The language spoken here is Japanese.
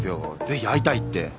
ぜひ会いたいって。